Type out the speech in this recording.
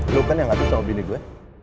lu kan yang ngatur sama objek gue